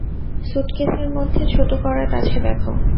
স্যুটকেসের মধ্যে ছোট করাত আছে দেখো।